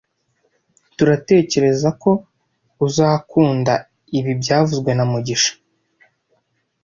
turatekerezako uzakunda ibi byavuzwe na mugisha